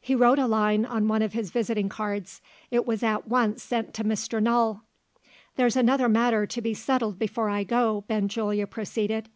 He wrote a line on one of his visiting cards. It was at once sent to Mr. Null. "There's another matter to be settled before I go," Benjulia proceeded.